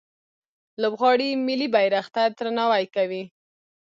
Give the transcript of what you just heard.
لوبغاړي ملي بیرغ ته درناوی کوي.